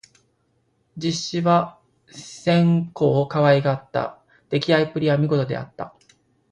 実資は千古をかわいがった。できあいっぷりは見事であった。